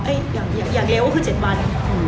เอ๊ยอย่างเหลวว่าคือ๗วัน